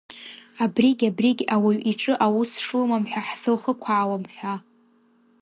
Абригь-абригь ауаҩ иҿы аус шлымам ҳәа ҳзылхықәаауам ҳәа.